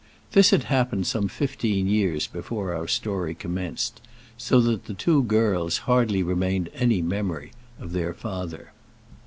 This had happened some fifteen years before our story commenced, so that the two girls hardly retained any memory of their father.